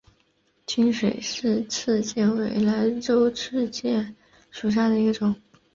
清水氏赤箭为兰科赤箭属下的一个种。